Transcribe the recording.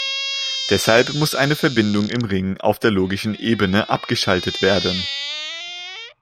Deshalb muss eine Verbindung im Ring auf der logischen Ebene abgeschaltet werden.